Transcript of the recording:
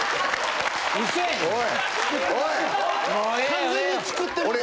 完全に作ってます。